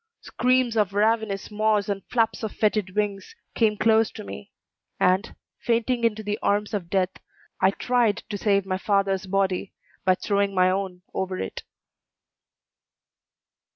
Screams of ravenous maws and flaps of fetid wings came close to me, and, fainting into the arms of death, I tried to save my father's body by throwing my own over it.